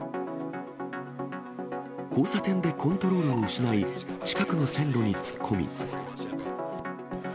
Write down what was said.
交差点でコントロールを失い、近くの線路に突っ込み。